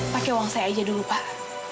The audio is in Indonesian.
pakai uang saya aja dulu pak